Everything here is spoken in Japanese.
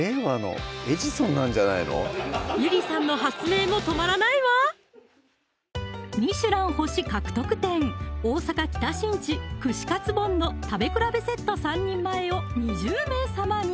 ゆりさんの発明も止まらないわーミシュラン星獲得店大阪・北新地食べ比べセット３人前を２０名様に！